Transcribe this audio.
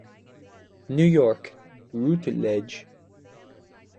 New York: Routledge.